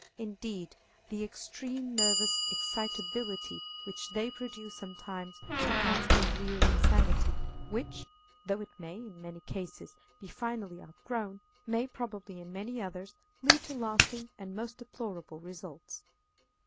Indeed, the extreme nervous excitability which they produce sometimes becomes a real insanity, which, though it may, in many cases, be finally outgrown, may probably in many others lead to lasting and most deplorable results.